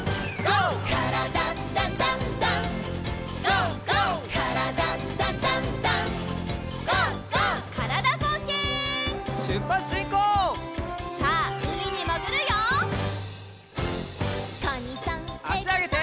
あしあげて。